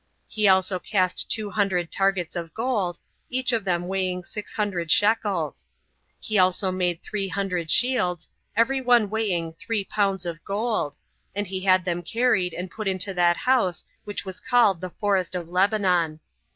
He also cast two hundred targets of gold, each of them weighing six hundred shekels. He also made three hundred shields, every one weighing three pounds of gold, and he had them carried and put into that house which was called The Forest of Lebanon.